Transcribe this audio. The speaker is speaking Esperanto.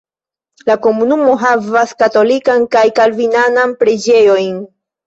La komunumo havas katolikan kaj kalvinanan preĝejojn.